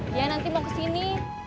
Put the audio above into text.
dia nanti mau kesini